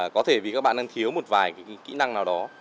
có thể vì các bạn đang thiếu một vài kỹ năng nào đó